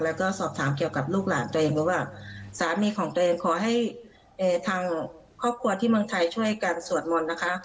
แล้วก็สอบถามเกี่ยวกับลูกหลานตัวเองว่าสามีของตัวเองขอให้ทางครอบครัวที่เมืองไทยช่วยกันสวดมนต์นะคะ